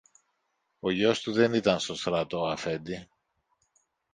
Ο γιος του δεν ήταν στο στρατό, Αφέντη.